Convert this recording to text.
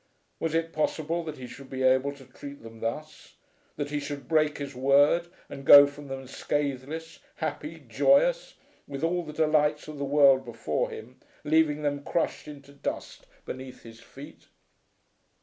Was it possible that he should be able to treat them thus, that he should break his word and go from them scathless, happy, joyous, with all the delights of the world before him, leaving them crushed into dust beneath his feet.